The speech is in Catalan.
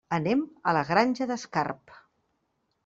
Anem a la Granja d'Escarp.